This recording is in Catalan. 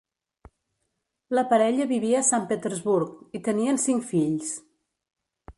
La parella vivia a Sant Petersburg i tenien cinc fills.